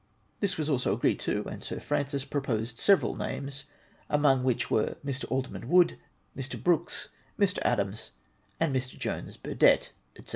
"" This was also agreed to, and Sir Francis proposed several names, among which were ]Mr. Alderman Wood, ]Mr. Brooks, Mr. Adams, and Mr. Jones Burdett, &c.